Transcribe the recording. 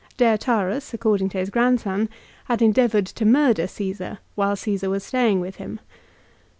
Deiotarus, according to his grandson, had endeavoured to murder Caesar while Caesar was staying with him.